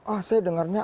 oh saya dengarnya